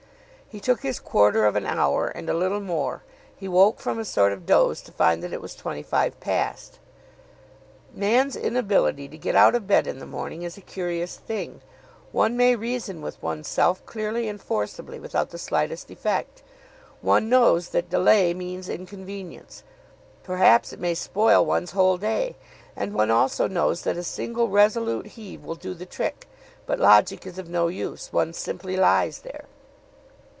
He took his quarter of an hour, and a little more. He woke from a sort of doze to find that it was twenty five past. Man's inability to get out of bed in the morning is a curious thing. One may reason with oneself clearly and forcibly without the slightest effect. One knows that delay means inconvenience. Perhaps it may spoil one's whole day. And one also knows that a single resolute heave will do the trick. But logic is of no use. One simply lies there.